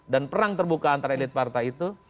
dan perang terbuka antara elit partai itu